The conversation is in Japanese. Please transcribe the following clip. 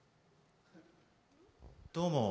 どうも。